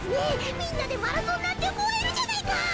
みんなでマラソンなんてもえるじゃないか！